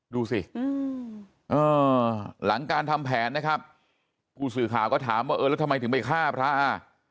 ดูสิหลังการทำแผนนะครับผู้สื่อข่าวก็ถามว่าเออแล้วทำไมถึงไปฆ่าพระอ่ะ